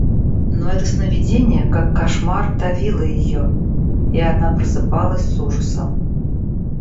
Но это сновидение, как кошмар, давило ее, и она просыпалась с ужасом.